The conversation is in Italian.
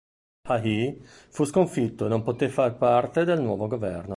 Hajj fu sconfitto e non poté far parte del nuovo governo.